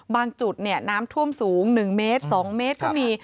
จุดน้ำท่วมสูง๑เมตร๒เมตรก็มี